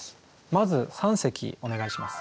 まず三席お願いします。